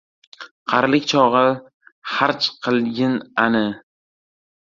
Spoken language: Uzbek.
Qarilik chog‘i xarj qilgil ani.